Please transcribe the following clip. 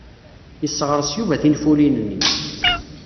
Yesseɣres Yuba tinfulin-nni.